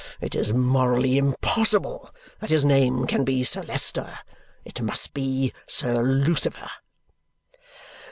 It is morally impossible that his name can be Sir Leicester. It must be Sir Lucifer."